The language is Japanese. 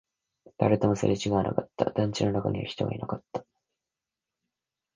誰ともすれ違わなかった、団地の中には人がいなかった